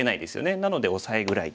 なのでオサエぐらい。